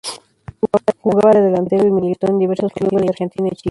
Jugaba de delantero y militó en diversos clubes de Argentina y Chile.